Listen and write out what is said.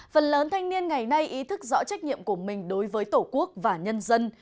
phần lớn thanh niên ngày nay ý thức rõ trách nhiệm của mình đối với tổ quốc và nhân dân